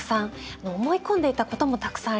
思い込んでいたこともたくさんありました。